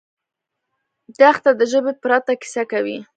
دښته د ژبې پرته کیسه کوي.